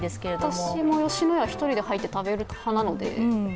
私も吉野家は１人で入って食べる派なので。